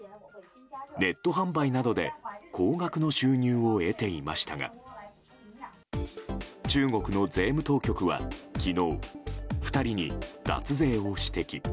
ネット販売などで高額の収入を得ていましたが中国の税務当局は昨日、２人に脱税を指摘。